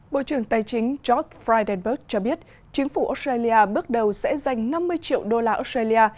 bộ trưởng tài chính george fridanberg cho biết chính phủ australia bước đầu sẽ dành năm mươi triệu đô la australia